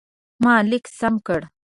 ما لیک سم کړ.